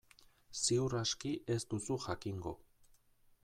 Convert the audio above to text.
Ziur aski ez duzu jakingo.